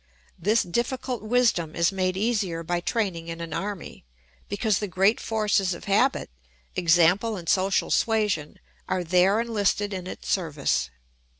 This difficult wisdom is made easier by training in an army, because the great forces of habit, example and social suasion, are there enlisted in its service.